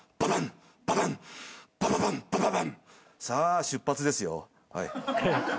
さあ出発ですよ。